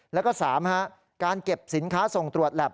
แล้วก็๓การเก็บสินค้าส่งตรวจแล็บ